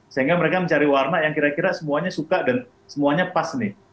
sehingga mereka mencari warna yang kira kira semuanya suka dan semuanya pas nih